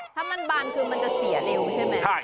ถ้ามันบานคือมันจะเสียเร็วใช่ไหม